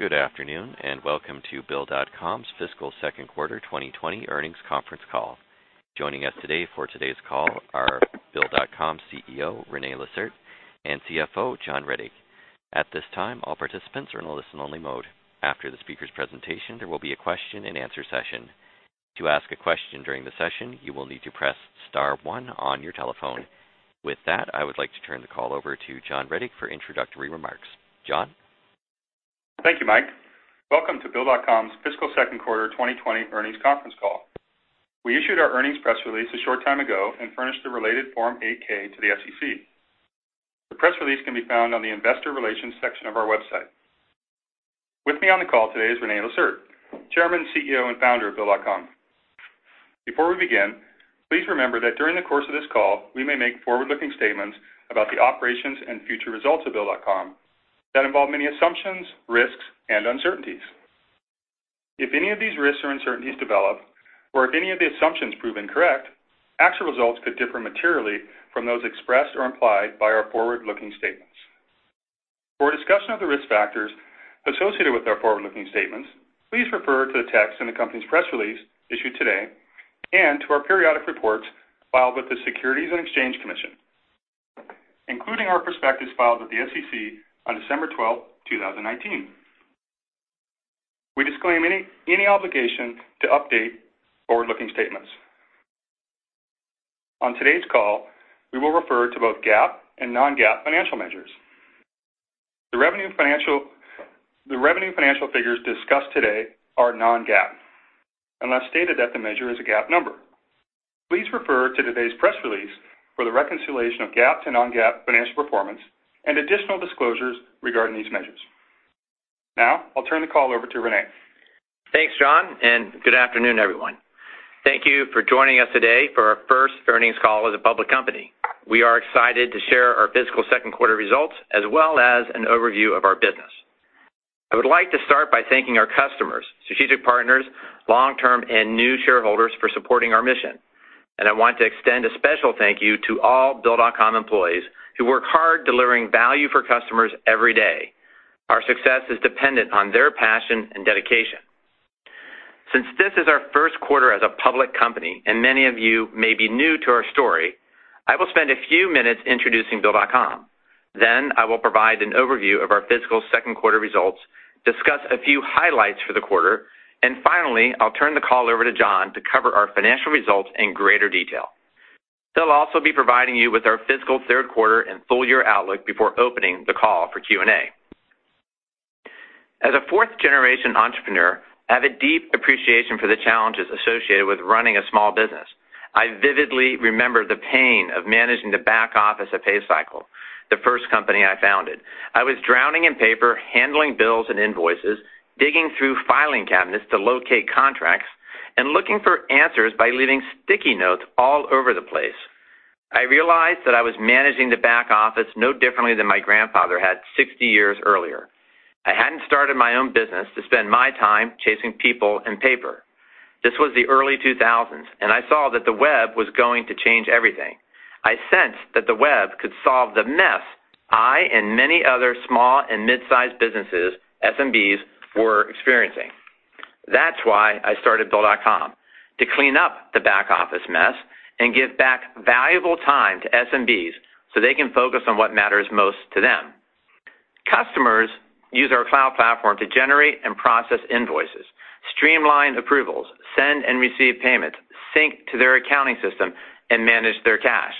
Good afternoon, and welcome to BILL.com's fiscal second quarter 2020 earnings conference call. Joining us today for today's call are BILL.com's CEO, René Lacerte, and CFO, John Rettig. At this time, all participants are in a listen-only mode. After the speakers' presentation, there will be a question and answer session. To ask a question during the session, you will need to press star one on your telephone. With that, I would like to turn the call over to John Rettig for introductory remarks. John? Thank you, Mike. Welcome to BILL.com's fiscal second quarter 2020 earnings conference call. We issued our earnings press release a short time ago and furnished a related Form 8-K to the SEC. The press release can be found on the Investor Relations section of our website. With me on the call today is René Lacerte, Chairman, CEO, and Founder of BILL.com. Before we begin, please remember that during the course of this call, we may make forward-looking statements about the operations and future results of BILL.com that involve many assumptions, risks, and uncertainties. If any of these risks or uncertainties develop, or if any of the assumptions prove incorrect, actual results could differ materially from those expressed or implied by our forward-looking statements. For a discussion of the risk factors associated with our forward-looking statements, please refer to the text in the company's press release issued today and to our periodic reports filed with the Securities and Exchange Commission, including our prospectus filed with the SEC on December 12, 2019. We disclaim any obligation to update forward-looking statements. On today's call, we will refer to both GAAP and non-GAAP financial measures. The revenue financial figures discussed today are non-GAAP, unless stated that the measure is a GAAP number. Please refer to today's press release for the reconciliation of GAAP to non-GAAP financial performance and additional disclosures regarding these measures. I'll turn the call over to René. Thanks, John. Good afternoon, everyone. Thank you for joining us today for our first earnings call as a public company. We are excited to share our fiscal second quarter results, as well as an overview of our business. I would like to start by thanking our customers, strategic partners, long-term and new shareholders for supporting our mission. I want to extend a special thank you to all BILL.com employees who work hard delivering value for customers every day. Our success is dependent on their passion and dedication. Since this is our first quarter as a public company, and many of you may be new to our story, I will spend a few minutes introducing BILL.com. I will provide an overview of our fiscal second quarter results, discuss a few highlights for the quarter, and finally, I'll turn the call over to John to cover our financial results in greater detail. They'll also be providing you with our fiscal third quarter and full-year outlook before opening the call for Q&A. As a fourth-generation entrepreneur, I have a deep appreciation for the challenges associated with running a small business. I vividly remember the pain of managing the back office of PayCycle, the first company I founded. I was drowning in paper, handling bills and invoices, digging through filing cabinets to locate contracts, and looking for answers by leaving sticky notes all over the place. I realized that I was managing the back office no differently than my grandfather had 60 years earlier. I hadn't started my own business to spend my time chasing people and paper. This was the early 2000s. I saw that the web was going to change everything. I sensed that the web could solve the mess I and many other small and mid-sized businesses, SMBs, were experiencing. That's why I started BILL.com, to clean up the back office mess and give back valuable time to SMBs so they can focus on what matters most to them. Customers use our cloud platform to generate and process invoices, streamline approvals, send and receive payments, sync to their accounting system, and manage their cash.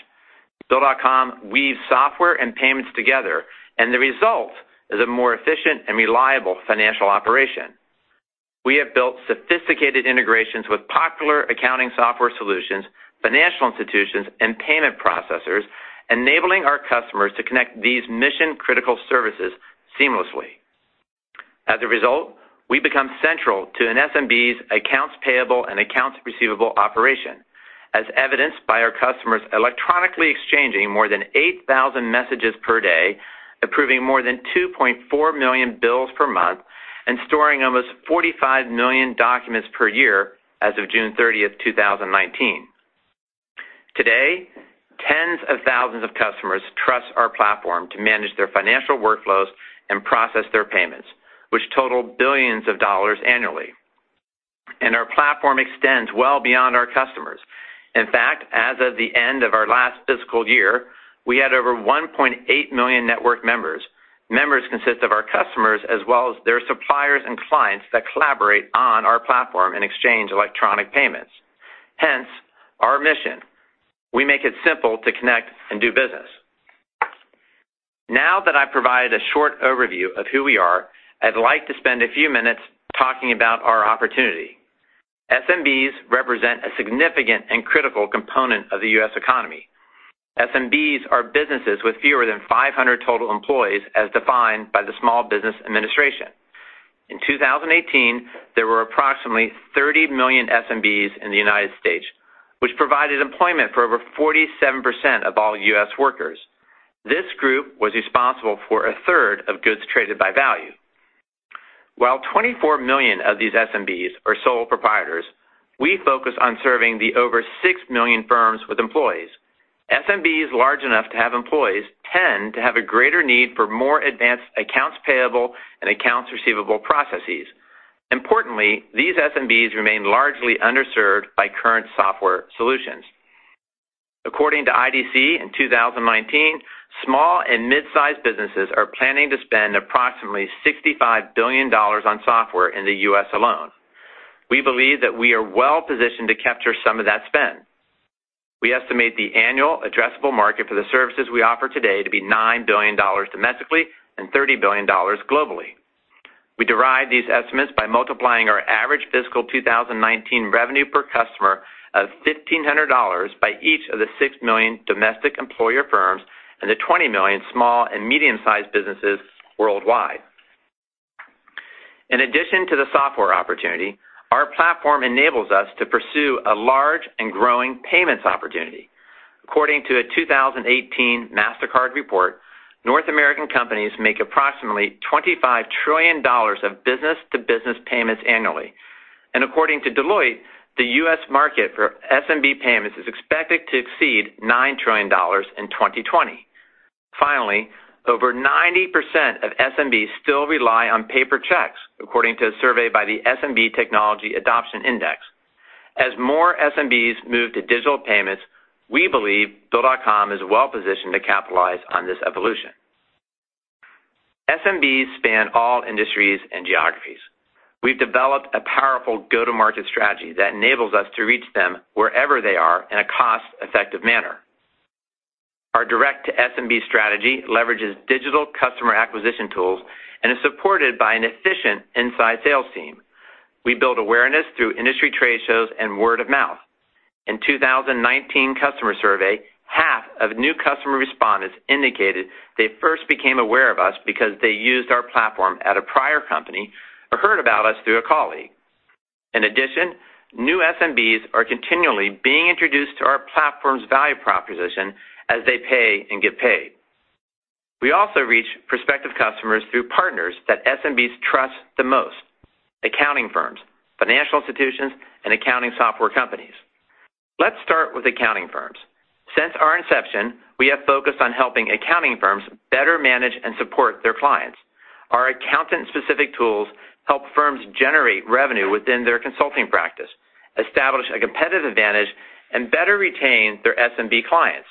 BILL.com weaves software and payments together. The result is a more efficient and reliable financial operation. We have built sophisticated integrations with popular accounting software solutions, financial institutions, and payment processors, enabling our customers to connect these mission-critical services seamlessly. As a result, we become central to an SMB's accounts payable and accounts receivable operation, as evidenced by our customers electronically exchanging more than 8,000 messages per day, approving more than 2.4 million bills per month, and storing almost 45 million documents per year as of June 30th, 2019. Today, tens of thousands of customers trust our platform to manage their financial workflows and process their payments, which total billions of dollars annually. Our platform extends well beyond our customers. In fact, as of the end of our last fiscal year, we had over 1.8 million network members. Members consist of our customers as well as their suppliers and clients that collaborate on our platform and exchange electronic payments. Hence, our mission. We make it simple to connect and do business. Now that I've provided a short overview of who we are, I'd like to spend a few minutes talking about our opportunity. SMBs represent a significant and critical component of the U.S. economy. SMBs are businesses with fewer than 500 total employees as defined by the U.S. Small Business Administration. In 2018, there were approximately 30 million SMBs in the United States, which provided employment for over 47% of all U.S. workers. This group was responsible for a third of goods traded by value. While 24 million of these SMBs are sole proprietors, we focus on serving the over 6 million firms with employees. SMBs large enough to have employees tend to have a greater need for more advanced accounts payable and accounts receivable processes. Importantly, these SMBs remain largely underserved by current software solutions. According to IDC, in 2019, small and mid-size businesses are planning to spend approximately $65 billion on software in the U.S. alone. We believe that we are well-positioned to capture some of that spend. We estimate the annual addressable market for the services we offer today to be $9 billion domestically and $30 billion globally. We derive these estimates by multiplying our average fiscal 2019 revenue per customer of $1,500 by each of the 6 million domestic employer firms and the 20 million small and medium-sized businesses worldwide. In addition to the software opportunity, our platform enables us to pursue a large and growing payments opportunity. According to a 2018 Mastercard report, North American companies make approximately $25 trillion of business-to-business payments annually. According to Deloitte, the U.S. market for SMB payments is expected to exceed $9 trillion in 2020. Finally, over 90% of SMBs still rely on paper checks, according to a survey by the SMB Technology Adoption Index. As more SMBs move to digital payments, we believe BILL.com is well-positioned to capitalize on this evolution. SMBs span all industries and geographies. We've developed a powerful go-to-market strategy that enables us to reach them wherever they are in a cost-effective manner. Our direct-to-SMB strategy leverages digital customer acquisition tools and is supported by an efficient inside sales team. We build awareness through industry trade shows and word of mouth. In 2019 customer survey, half of new customer respondents indicated they first became aware of us because they used our platform at a prior company or heard about us through a colleague. In addition, new SMBs are continually being introduced to our platform's value proposition as they pay and get paid. We also reach prospective customers through partners that SMBs trust the most, accounting firms, financial institutions, and accounting software companies. Let's start with accounting firms. Since our inception, we have focused on helping accounting firms better manage and support their clients. Our accountant-specific tools help firms generate revenue within their consulting practice, establish a competitive advantage, and better retain their SMB clients.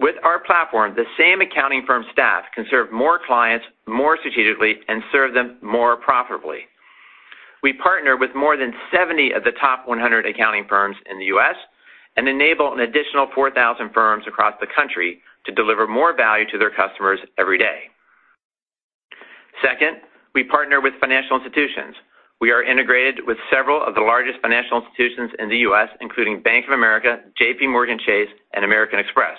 With our platform, the same accounting firm staff can serve more clients, more strategically, and serve them more profitably. We partner with more than 70 of the top 100 accounting firms in the U.S. and enable an additional 4,000 firms across the country to deliver more value to their customers every day. Second, we partner with financial institutions. We are integrated with several of the largest financial institutions in the U.S., including Bank of America, JPMorgan Chase, and American Express.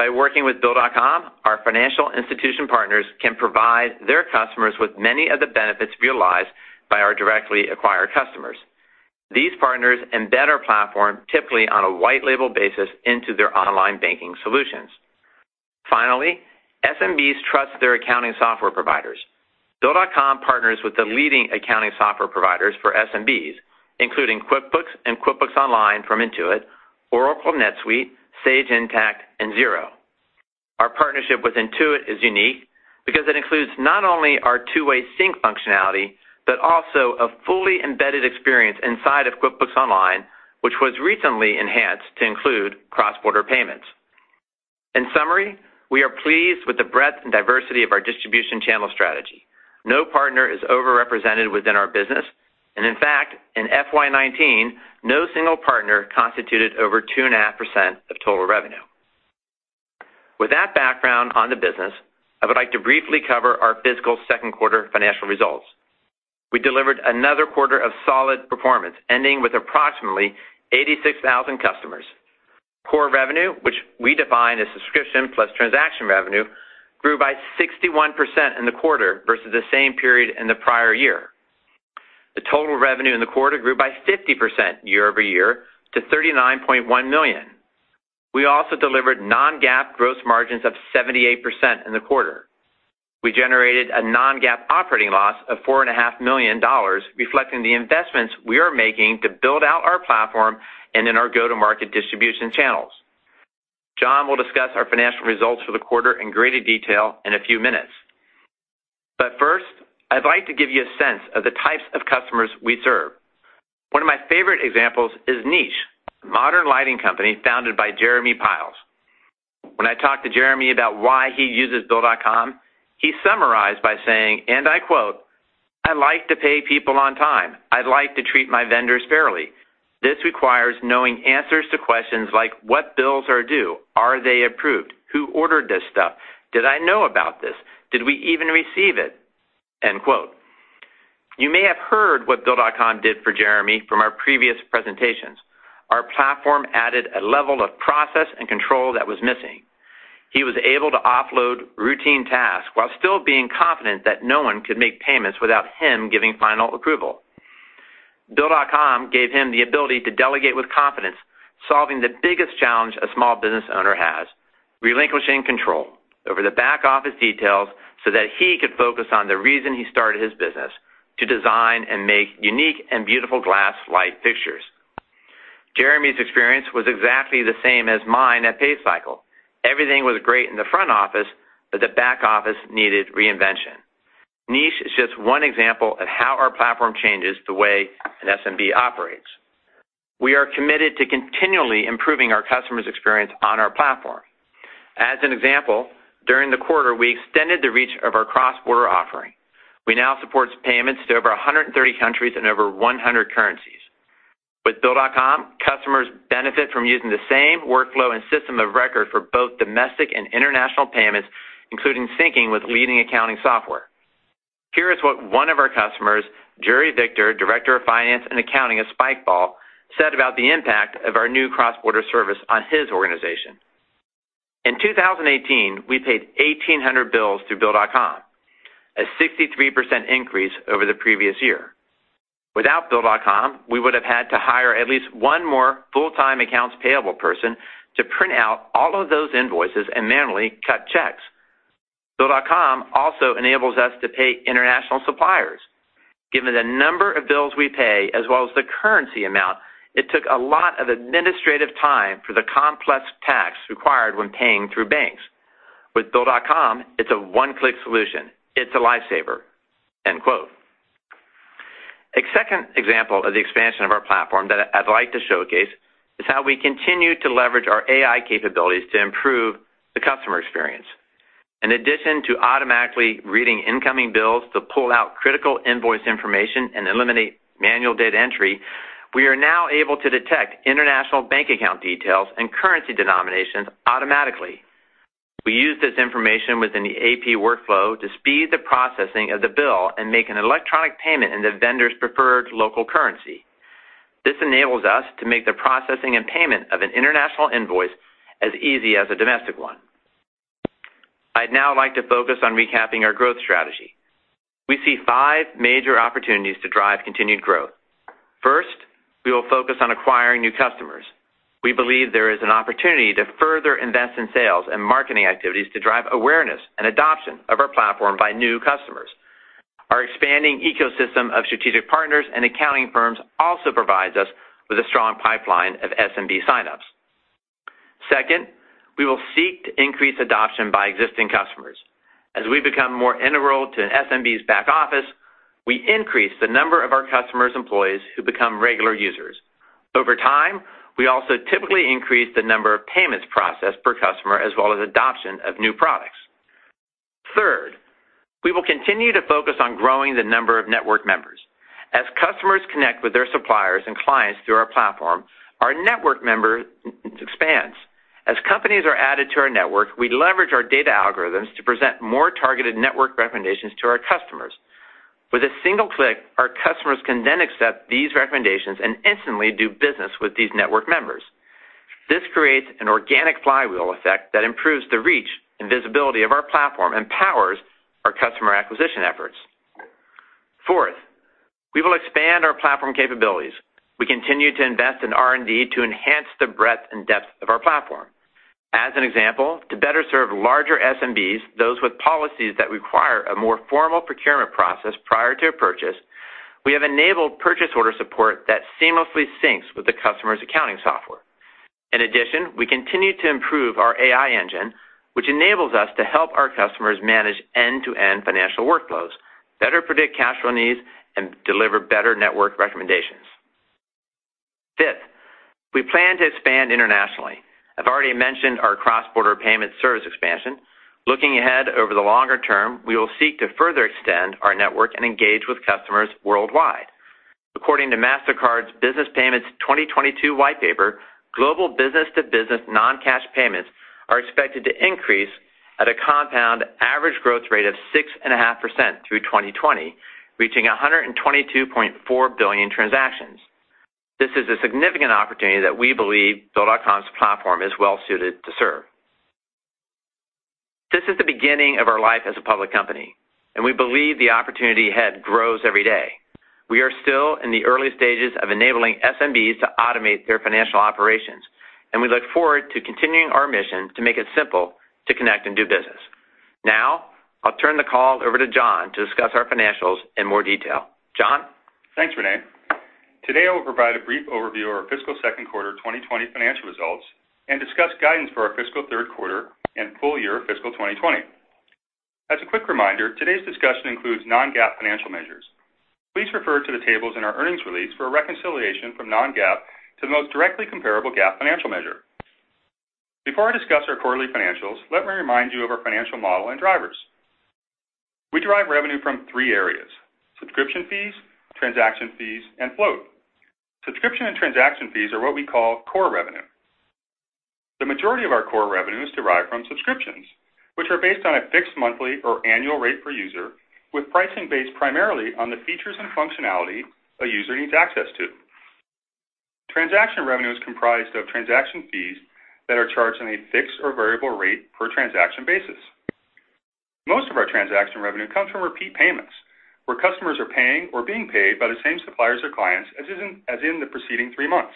By working with BILL.com, our financial institution partners can provide their customers with many of the benefits realized by our directly acquired customers. These partners embed our platform, typically on a white label basis, into their online banking solutions. Finally, SMBs trust their accounting software providers. BILL.com partners with the leading accounting software providers for SMBs, including QuickBooks and QuickBooks Online from Intuit, Oracle NetSuite, Sage Intacct, and Xero. Our partnership with Intuit is unique because it includes not only our two-way sync functionality, but also a fully embedded experience inside of QuickBooks Online, which was recently enhanced to include cross-border payments. In summary, we are pleased with the breadth and diversity of our distribution channel strategy. No partner is over-represented within our business, and in fact, in FY 2019, no single partner constituted over 2.5% of total revenue. With that background on the business, I would like to briefly cover our fiscal second quarter financial results. We delivered another quarter of solid performance, ending with approximately 86,000 customers. Core revenue, which we define as subscription plus transaction revenue, grew by 61% in the quarter versus the same period in the prior year. The total revenue in the quarter grew by 50% year-over-year to $39.1 million. We also delivered non-GAAP gross margins of 78% in the quarter. We generated a non-GAAP operating loss of $4.5 million, reflecting the investments we are making to build out our platform and in our go-to-market distribution channels. John will discuss our financial results for the quarter in greater detail in a few minutes. First, I'd like to give you a sense of the types of customers we serve. One of my favorite examples is Niche, a modern lighting company founded by Jeremy Pyles. When I talked to Jeremy about why he uses BILL.com, he summarized by saying, and I quote, "I like to pay people on time. I like to treat my vendors fairly. This requires knowing answers to questions like what bills are due? Are they approved? Who ordered this stuff? Did I know about this? Did we even receive it?" End quote. You may have heard what BILL.com did for Jeremy from our previous presentations. Our platform added a level of process and control that was missing. He was able to offload routine tasks while still being confident that no one could make payments without him giving final approval. BILL.com gave him the ability to delegate with confidence, solving the biggest challenge a small business owner has. Relinquishing control over the back office details so that he could focus on the reason he started his business, to design and make unique and beautiful glass light fixtures. Jeremy's experience was exactly the same as mine at PayCycle. Everything was great in the front office, but the back office needed reinvention. Niche is just one example of how our platform changes the way an SMB operates. We are committed to continually improving our customer's experience on our platform. As an example, during the quarter, we extended the reach of our cross-border offering. We now support payments to over 130 countries and over 100 currencies. With BILL.com, customers benefit from using the same workflow and system of record for both domestic and international payments, including syncing with leading accounting software. Here is what one of our customers, Jurie Victor, Director of Finance and Accounting at Spikeball, said about the impact of our new cross-border service on his organization. "In 2018, we paid 1,800 bills through BILL.com, a 63% increase over the previous year. Without BILL.com, we would have had to hire at least one more full-time accounts payable person to print out all of those invoices and manually cut checks. BILL.com also enables us to pay international suppliers. Given the number of bills we pay as well as the currency amount, it took a lot of administrative time for the complex tasks required when paying through banks. With BILL.com, it's a one-click solution. It's a lifesaver." End quote. A second example of the expansion of our platform that I'd like to showcase is how we continue to leverage our AI capabilities to improve the customer experience. In addition to automatically reading incoming bills to pull out critical invoice information and eliminate manual data entry, we are now able to detect international bank account details and currency denominations automatically. We use this information within the AP workflow to speed the processing of the bill and make an electronic payment in the vendor's preferred local currency. This enables us to make the processing and payment of an international invoice as easy as a domestic one. I'd now like to focus on recapping our growth strategy. We see five major opportunities to drive continued growth. First, we will focus on acquiring new customers. We believe there is an opportunity to further invest in sales and marketing activities to drive awareness and adoption of our platform by new customers. Our expanding ecosystem of strategic partners and accounting firms also provides us with a strong pipeline of SMB sign-ups. Second, we will seek to increase adoption by existing customers. As we become more integral to an SMB's back office, we increase the number of our customers' employees who become regular users. Over time, we also typically increase the number of payments processed per customer, as well as adoption of new products. Third, we will continue to focus on growing the number of network members. As customers connect with their suppliers and clients through our platform, our network members expands. As companies are added to our network, we leverage our data algorithms to present more targeted network recommendations to our customers. With a single click, our customers can then accept these recommendations and instantly do business with these network members. This creates an organic flywheel effect that improves the reach and visibility of our platform and powers our customer acquisition efforts. Fourth, we will expand our platform capabilities. We continue to invest in R&D to enhance the breadth and depth of our platform. As an example, to better serve larger SMBs, those with policies that require a more formal procurement process prior to a purchase, we have enabled purchase order support that seamlessly syncs with the customer's accounting software. We continue to improve our AI engine, which enables us to help our customers manage end-to-end financial workflows, better predict cash flow needs, and deliver better network recommendations. Fifth, we plan to expand internationally. I've already mentioned our cross-border payment service expansion. Looking ahead over the longer term, we will seek to further extend our network and engage with customers worldwide. According to Mastercard's Business Payments 2022 whitepaper, global business-to-business non-cash payments are expected to increase at a compound average growth rate of 6.5% through 2020, reaching 122.4 billion transactions. This is a significant opportunity that we believe BILL.com's platform is well-suited to serve. This is the beginning of our life as a public company, and we believe the opportunity ahead grows every day. We are still in the early stages of enabling SMBs to automate their financial operations, and we look forward to continuing our mission to make it simple to connect and do business. Now, I'll turn the call over to John to discuss our financials in more detail. John? Thanks, René. Today, I will provide a brief overview of our fiscal second quarter 2020 financial results and discuss guidance for our fiscal third quarter and full year fiscal 2020. As a quick reminder, today's discussion includes non-GAAP financial measures. Please refer to the tables in our earnings release for a reconciliation from non-GAAP to the most directly comparable GAAP financial measure. Before I discuss our quarterly financials, let me remind you of our financial model and drivers. We derive revenue from three areas, subscription fees, transaction fees, and float. Subscription and transaction fees are what we call core revenue. The majority of our core revenue is derived from subscriptions, which are based on a fixed monthly or annual rate per user, with pricing based primarily on the features and functionality a user needs access to. Transaction revenue is comprised of transaction fees that are charged on a fixed or variable rate per transaction basis. Most of our transaction revenue comes from repeat payments, where customers are paying or being paid by the same suppliers or clients as in the preceding three months.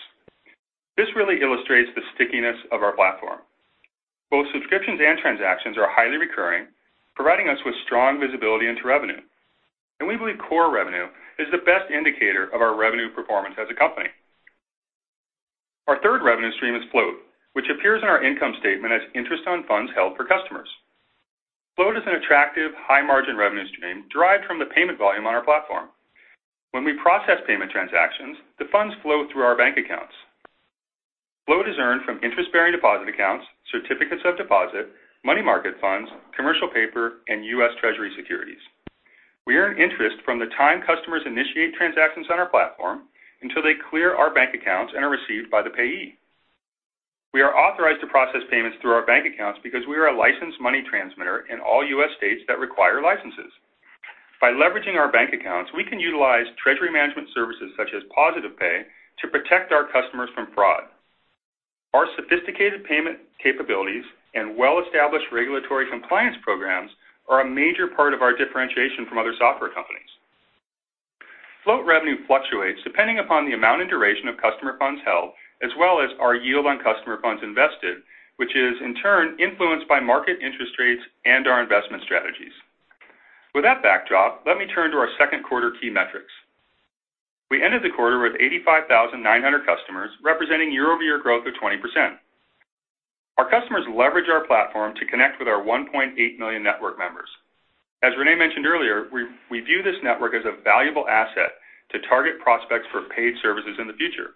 This really illustrates the stickiness of our platform. Both subscriptions and transactions are highly recurring, providing us with strong visibility into revenue, and we believe core revenue is the best indicator of our revenue performance as a company. Our third revenue stream is float, which appears in our income statement as interest on funds held for customers. Float is an attractive high-margin revenue stream derived from the payment volume on our platform. When we process payment transactions, the funds flow through our bank accounts. Float is earned from interest-bearing deposit accounts, certificates of deposit, money market funds, commercial paper, and U.S. Treasury securities. We earn interest from the time customers initiate transactions on our platform until they clear our bank accounts and are received by the payee. We are authorized to process payments through our bank accounts because we are a licensed money transmitter in all U.S. states that require licenses. By leveraging our bank accounts, we can utilize treasury management services such as Positive Pay to protect our customers from fraud. Our sophisticated payment capabilities and well-established regulatory compliance programs are a major part of our differentiation from other software companies. Float revenue fluctuates depending upon the amount and duration of customer funds held, as well as our yield on customer funds invested, which is in turn influenced by market interest rates and our investment strategies. With that backdrop, let me turn to our second quarter key metrics. We ended the quarter with 85,900 customers, representing year-over-year growth of 20%. Our customers leverage our platform to connect with our 1.8 million network members. As René mentioned earlier, we view this network as a valuable asset to target prospects for paid services in the future.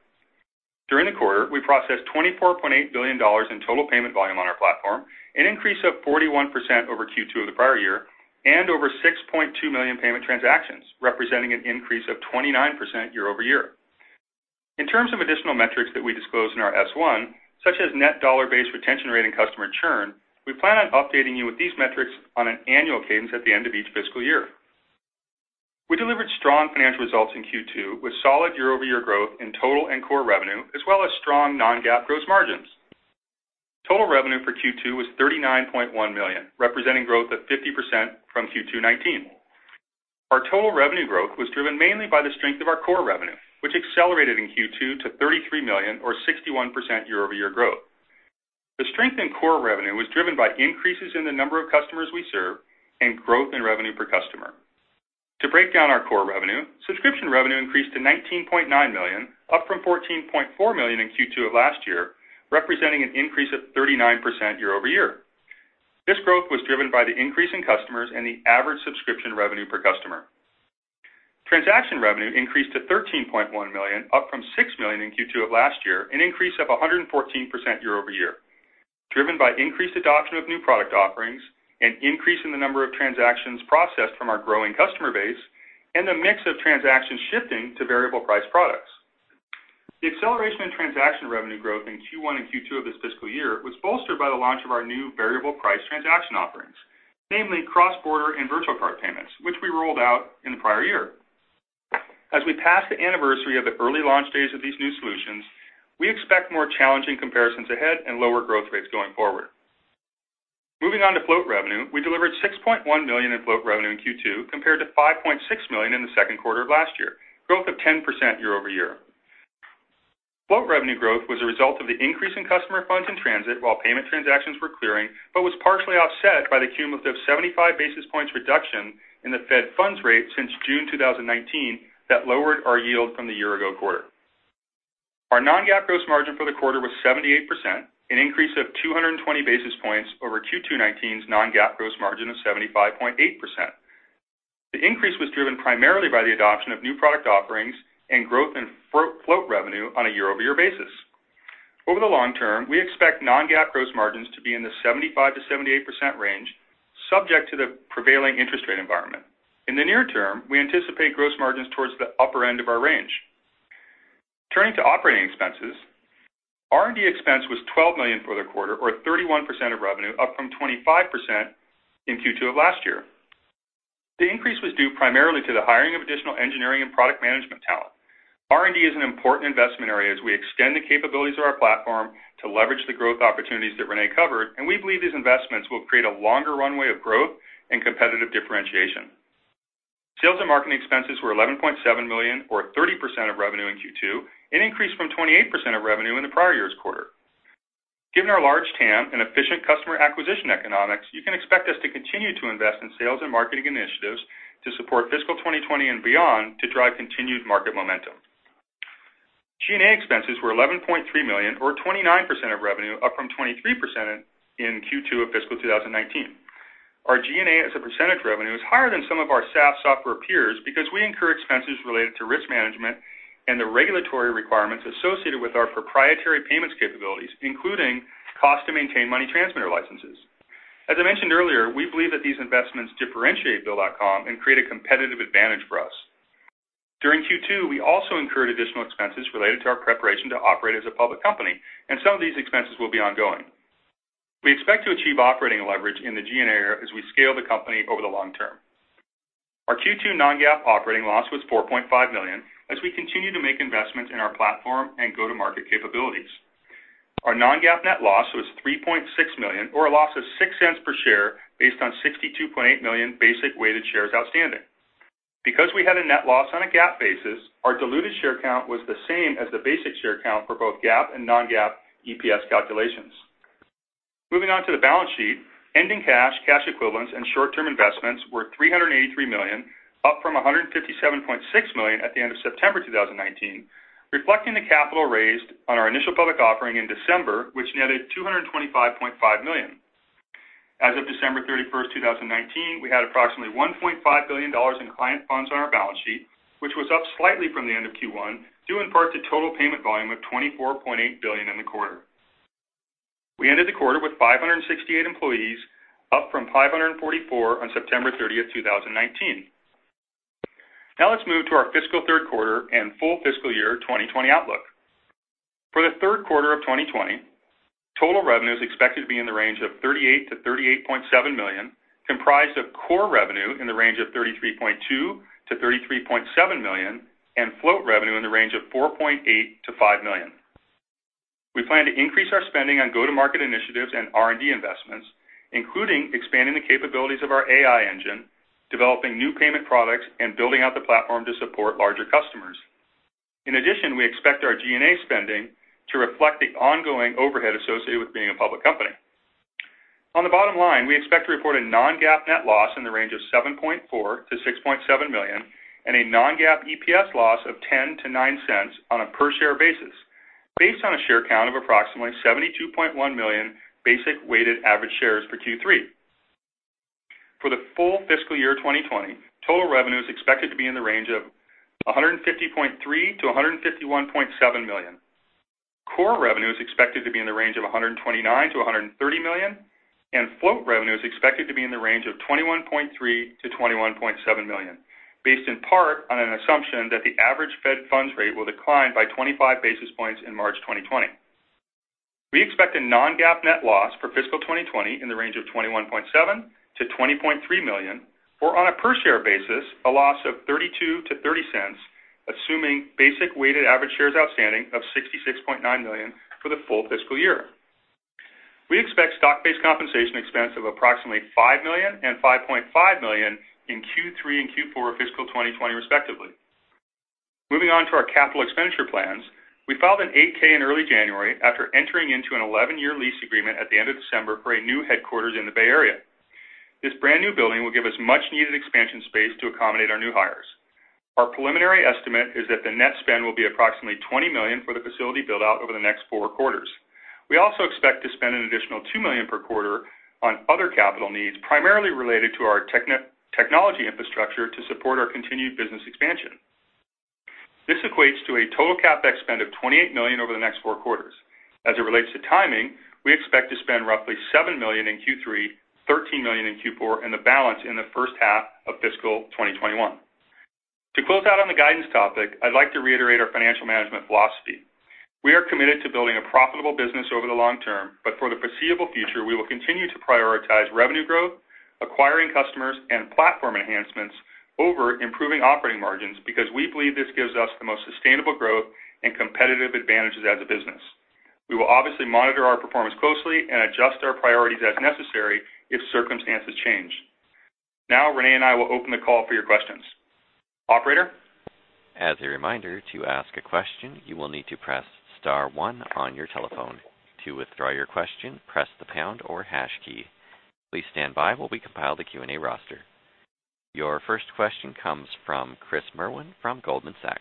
During the quarter, we processed $24.8 billion in total payment volume on our platform, an increase of 41% over Q2 of the prior year, and over 6.2 million payment transactions, representing an increase of 29% year-over-year. In terms of additional metrics that we disclose in our S1, such as net dollar-based retention rate and customer churn, we plan on updating you with these metrics on an annual cadence at the end of each fiscal year. We delivered strong financial results in Q2 with solid year-over-year growth in total and core revenue, as well as strong non-GAAP gross margins. Total revenue for Q2 was $39.1 million, representing growth of 50% from Q2 2019. Our total revenue growth was driven mainly by the strength of our core revenue, which accelerated in Q2 to $33 million or 61% year-over-year growth. The strength in core revenue was driven by increases in the number of customers we serve and growth in revenue per customer. To break down our core revenue, subscription revenue increased to $19.9 million, up from $14.4 million in Q2 of last year, representing an increase of 39% year-over-year. This growth was driven by the increase in customers and the average subscription revenue per customer. Transaction revenue increased to $13.1 million, up from $6 million in Q2 of last year, an increase of 114% year-over-year, driven by increased adoption of new product offerings, an increase in the number of transactions processed from our growing customer base, and a mix of transactions shifting to variable price products. The acceleration in transaction revenue growth in Q1 and Q2 of this fiscal year was bolstered by the launch of our new variable price transaction offerings, namely cross-border and virtual card payments, which we rolled out in the prior year. As we pass the anniversary of the early launch phase of these new solutions, we expect more challenging comparisons ahead and lower growth rates going forward. Moving on to float revenue, we delivered $6.1 million in float revenue in Q2 compared to $5.6 million in the second quarter of last year, growth of 10% year-over-year. Float revenue growth was a result of the increase in customer funds in transit while payment transactions were clearing, but was partially offset by the cumulative 75 basis points reduction in the Fed funds rate since June 2019 that lowered our yield from the year ago quarter. Our non-GAAP gross margin for the quarter was 78%, an increase of 220 basis points over Q2 2019's non-GAAP gross margin of 75.8%. The increase was driven primarily by the adoption of new product offerings and growth in float revenue on a year-over-year basis. Over the long term, we expect non-GAAP gross margins to be in the 75%-78% range, subject to the prevailing interest rate environment. In the near term, we anticipate gross margins towards the upper end of our range. Turning to operating expenses, R&D expense was $12 million for the quarter, or 31% of revenue, up from 25% in Q2 of last year. The increase was due primarily to the hiring of additional engineering and product management talent. R&D is an important investment area as we extend the capabilities of our platform to leverage the growth opportunities that René covered, and we believe these investments will create a longer runway of growth and competitive differentiation. Sales and marketing expenses were $11.7 million or 30% of revenue in Q2, an increase from 28% of revenue in the prior year's quarter. Given our large TAM and efficient customer acquisition economics, you can expect us to continue to invest in sales and marketing initiatives to support fiscal 2020 and beyond to drive continued market momentum. G&A expenses were $11.3 million or 29% of revenue, up from 23% in Q2 of fiscal 2019. Our G&A as a percentage of revenue is higher than some of our SaaS software peers because we incur expenses related to risk management and the regulatory requirements associated with our proprietary payments capabilities, including cost to maintain money transmitter licenses. As I mentioned earlier, we believe that these investments differentiate BILL.com and create a competitive advantage for us. During Q2, we also incurred additional expenses related to our preparation to operate as a public company. Some of these expenses will be ongoing. We expect to achieve operating leverage in the G&A area as we scale the company over the long term. Our Q2 non-GAAP operating loss was $4.5 million as we continue to make investments in our platform and go-to-market capabilities. Our non-GAAP net loss was $3.6 million, or a loss of $0.06 per share based on 62.8 million basic weighted shares outstanding. Because we had a net loss on a GAAP basis, our diluted share count was the same as the basic share count for both GAAP and non-GAAP EPS calculations. Moving on to the balance sheet, ending cash equivalents, and short-term investments were $383 million, up from $157.6 million at the end of September 2019, reflecting the capital raised on our initial public offering in December, which netted $225.5 million. As of December 31st, 2019, we had approximately $1.5 billion in client funds on our balance sheet, which was up slightly from the end of Q1, due in part to total payment volume of $24.8 billion in the quarter. We ended the quarter with 568 employees, up from 544 on September 30th, 2019. Let's move to our fiscal third quarter and full fiscal year 2020 outlook. For the third quarter of 2020, total revenue is expected to be in the range of $38 million-$38.7 million, comprised of core revenue in the range of $33.2 million-$33.7 million, and float revenue in the range of $4.8 million-$5 million. We plan to increase our spending on go-to-market initiatives and R&D investments, including expanding the capabilities of our AI engine, developing new payment products, and building out the platform to support larger customers. In addition, we expect our G&A spending to reflect the ongoing overhead associated with being a public company. On the bottom line, we expect to report a non-GAAP net loss in the range of $7.4 million-$6.7 million and a non-GAAP EPS loss of $0.10-$0.09 on a per-share basis, based on a share count of approximately 72.1 million basic weighted average shares for Q3. For the full fiscal year 2020, total revenue is expected to be in the range of $150.3 million-$151.7 million. Core revenue is expected to be in the range of $129 million-$130 million, and float revenue is expected to be in the range of $21.3 million-$21.7 million, based in part on an assumption that the average fed funds rate will decline by 25 basis points in March 2020. We expect a non-GAAP net loss for fiscal 2020 in the range of $21.7 million-$20.3 million, or on a per-share basis, a loss of $0.32-$0.30, assuming basic weighted average shares outstanding of 66.9 million for the full fiscal year. We expect stock-based compensation expense of approximately $5 million and $5.5 million in Q3 and Q4 of fiscal 2020 respectively. Moving on to our capital expenditure plans, we filed an 8-K in early January after entering into an 11-year lease agreement at the end of December for a new headquarters in the Bay Area. This brand-new building will give us much-needed expansion space to accommodate our new hires. Our preliminary estimate is that the net spend will be approximately $20 million for the facility build-out over the next four quarters. We also expect to spend an additional $2 million per quarter on other capital needs, primarily related to our technology infrastructure to support our continued business expansion. This equates to a total CapEx spend of $28 million over the next four quarters. As it relates to timing, we expect to spend roughly $7 million in Q3, $13 million in Q4, and the balance in the first half of fiscal 2021. To close out on the guidance topic, I'd like to reiterate our financial management philosophy. For the foreseeable future, we will continue to prioritize revenue growth, acquiring customers, and platform enhancements over improving operating margins because we believe this gives us the most sustainable growth and competitive advantages as a business. We will obviously monitor our performance closely and adjust our priorities as necessary if circumstances change. Now, René and I will open the call for your questions. Operator? As a reminder, to ask a question, you will need to press star one on your telephone. To withdraw your question, press the pound or hash key. Please stand by while we compile the Q&A roster. Your first question comes from Chris Merwin from Goldman Sachs.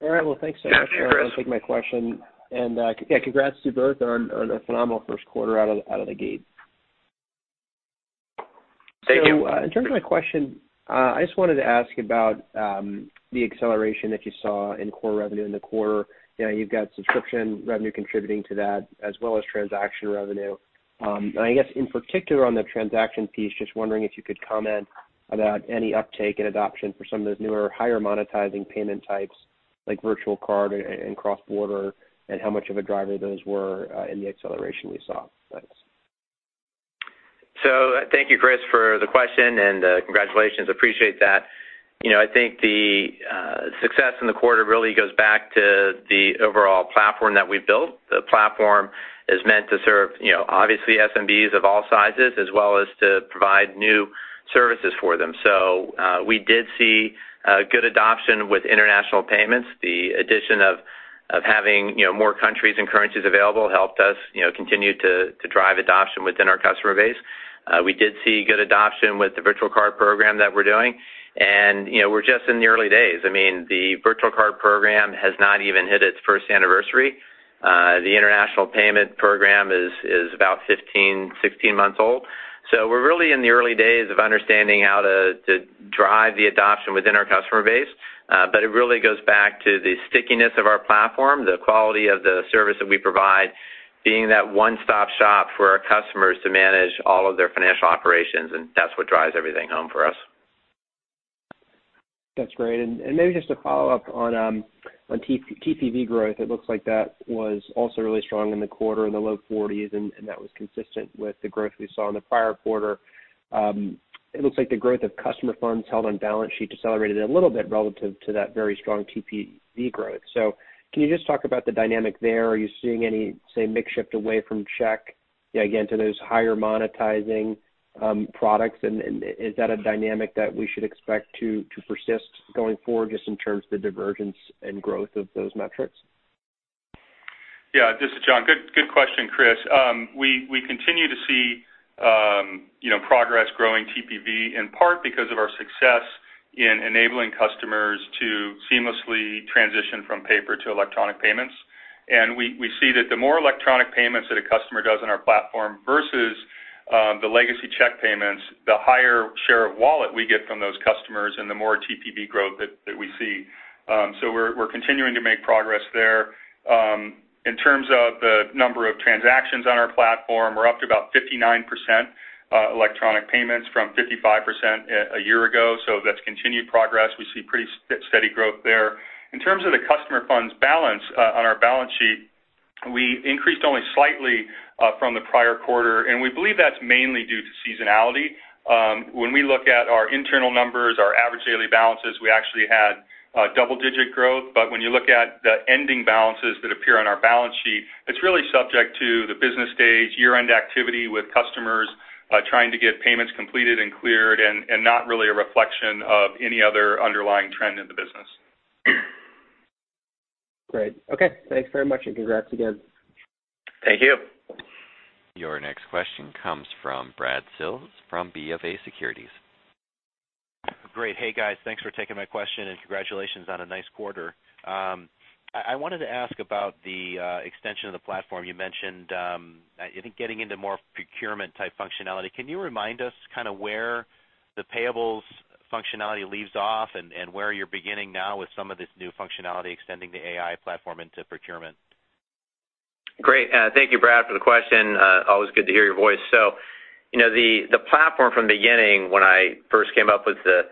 All right. Well, thanks so much for taking my question. Yeah, congrats to you both on a phenomenal first quarter out of the gate. Thank you. In terms of my question, I just wanted to ask about the acceleration that you saw in core revenue in the quarter. You've got subscription revenue contributing to that as well as transaction revenue. I guess in particular on the transaction piece, just wondering if you could comment about any uptake in adoption for some of those newer higher monetizing payment types like virtual card and cross-border, and how much of a driver those were in the acceleration we saw. Thanks. Thank you, Chris, for the question, and congratulations. Appreciate that. I think the success in the quarter really goes back to the overall platform that we've built. The platform is meant to serve obviously SMBs of all sizes as well as to provide new services for them. We did see good adoption with international payments. The addition of having more countries and currencies available helped us continue to drive adoption within our customer base. We did see good adoption with the Virtual Card Program that we're doing, and we're just in the early days. I mean, the Virtual Card Program has not even hit its first anniversary. The International Payments Program is about 15, 16 months old. We're really in the early days of understanding how to drive the adoption within our customer base. It really goes back to the stickiness of our platform, the quality of the service that we provide, being that one-stop shop for our customers to manage all of their financial operations, and that's what drives everything home for us. That's great. Maybe just a follow-up on TPV growth. It looks like that was also really strong in the quarter, in the low 40s, and that was consistent with the growth we saw in the prior quarter. It looks like the growth of customer funds held on balance sheet decelerated a little bit relative to that very strong TPV growth. Can you just talk about the dynamic there? Are you seeing any, say, mix shift away from check, again, to those higher monetizing products? Is that a dynamic that we should expect to persist going forward, just in terms of the divergence and growth of those metrics? This is John. Good question, Chris. We continue to see progress growing TPV in part because of our success in enabling customers to seamlessly transition from paper to electronic payments. We see that the more electronic payments that a customer does on our platform versus the legacy check payments, the higher share of wallet we get from those customers and the more TPV growth that we see. We're continuing to make progress there. In terms of the number of transactions on our platform, we're up to about 59% electronic payments from 55% a year ago. That's continued progress. We see pretty steady growth there. In terms of the customer funds balance on our balance sheet, we increased only slightly from the prior quarter, and we believe that's mainly due to seasonality. When we look at our internal numbers, our average daily balances, we actually had double-digit growth. But when you look at the ending balances that appear on our balance sheet, it's really subject to the business stage, year-end activity with customers trying to get payments completed and cleared, and not really a reflection of any other underlying trend in the business. Great. Okay. Thanks very much, and congrats again. Thank you. Your next question comes from Brad Sills from BofA Securities. Great. Hey, guys. Thanks for taking my question, and congratulations on a nice quarter. I wanted to ask about the extension of the platform you mentioned, I think getting into more procurement-type functionality. Can you remind us where the payables functionality leaves off and where you're beginning now with some of this new functionality extending the AI platform into procurement? Great. Thank you, Brad, for the question. Always good to hear your voice. The platform from beginning, when I first came up with the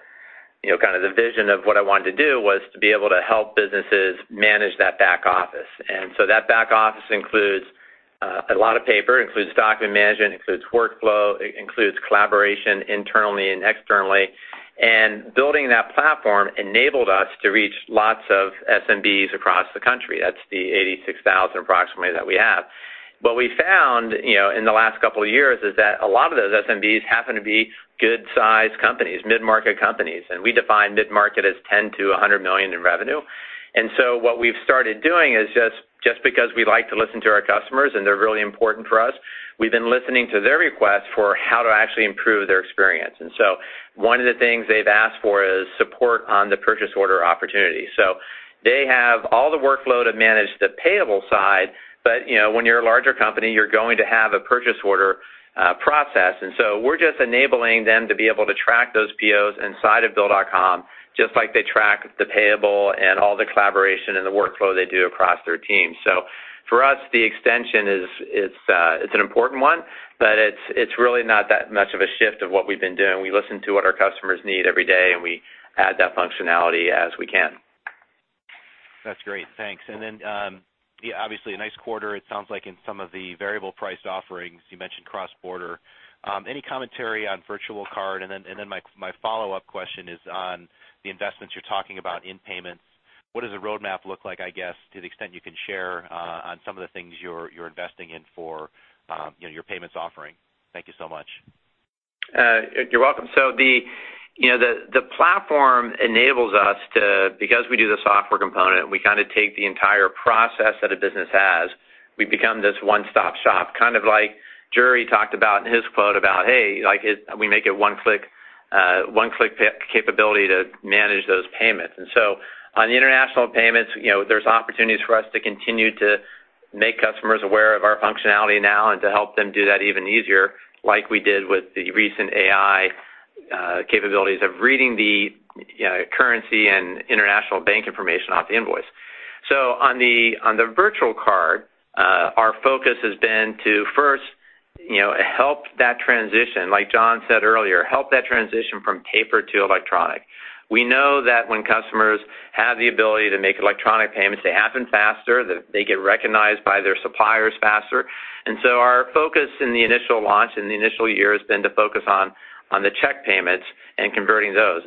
vision of what I wanted to do, was to be able to help businesses manage that back office. That back office includes a lot of paper, includes document management, includes workflow, it includes collaboration internally and externally. Building that platform enabled us to reach lots of SMBs across the country. That's the 86,000 approximately that we have. What we found in the last couple of years is that a lot of those SMBs happen to be good-sized companies, mid-market companies. We define mid-market as $10 million-$100 million in revenue. What we've started doing is just because we like to listen to our customers, and they're really important for us, we've been listening to their requests for how to actually improve their experience. One of the things they've asked for is support on the purchase order opportunity. They have all the workload to manage the payable side, but when you're a larger company, you're going to have a purchase order process. We're just enabling them to be able to track those POs inside of BILL.com, just like they track the payable and all the collaboration and the workflow they do across their team. For us, the extension is an important one, but it's really not that much of a shift of what we've been doing. We listen to what our customers need every day, and we add that functionality as we can. That's great. Thanks. Then, obviously a nice quarter. It sounds like in some of the variable priced offerings, you mentioned cross-border. Any commentary on virtual card? Then my follow-up question is on the investments you're talking about in payments. What does the roadmap look like, I guess, to the extent you can share on some of the things you're investing in for your payments offering. Thank you so much. You're welcome. The platform enables us to, because we do the software component, we take the entire process that a business has. We become this one-stop shop, kind of like Jurie talked about in his quote about, hey, we make it one-click capability to manage those payments. On the international payments, there's opportunities for us to continue to make customers aware of our functionality now and to help them do that even easier, like we did with the recent AI capabilities of reading the currency and international bank information off the invoice. On the virtual card, our focus has been to first help that transition, like John said earlier, help that transition from paper to electronic. We know that when customers have the ability to make electronic payments, they happen faster, that they get recognized by their suppliers faster. Our focus in the initial launch, in the initial year, has been to focus on the check payments and converting those.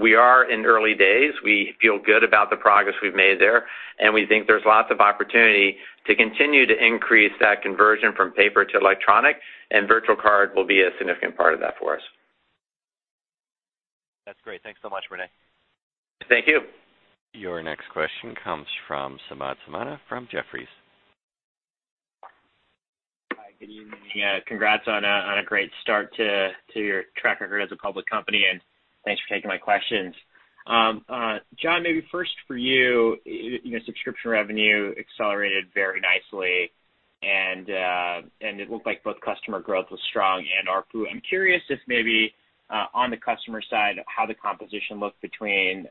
We are in early days. We feel good about the progress we've made there, and we think there's lots of opportunity to continue to increase that conversion from paper to electronic, and virtual card will be a significant part of that for us. That's great. Thanks so much, René. Thank you. Your next question comes from Samad Samana from Jefferies. Hi, good evening. Congrats on a great start to your track record as a public company, and thanks for taking my questions. John, maybe first for you, subscription revenue accelerated very nicely, and it looked like both customer growth was strong and ARPU. I'm curious if maybe on the customer side, how the composition looked between